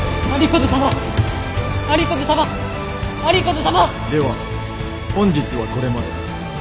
では本日はこれまで。